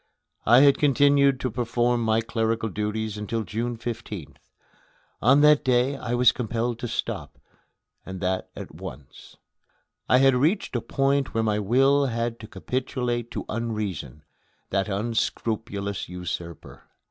I had continued to perform my clerical duties until June 15th. On that day I was compelled to stop, and that at once. I had reached a point where my will had to capitulate to Unreason that unscrupulous usurper.